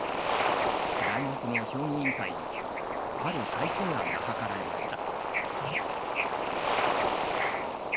大学の評議員会にある改正案が諮られました。